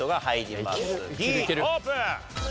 Ｄオープン。